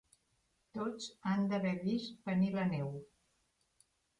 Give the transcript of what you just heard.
Tots han d'haver vist venir la neu.